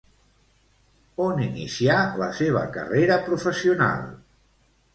On inicià la seva carrera professional?